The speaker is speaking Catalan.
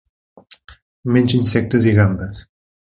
Menja insectes i gambes.